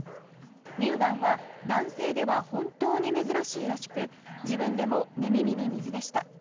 乳がんは男性では本当に珍しいらしく自分でも寝耳に水でした。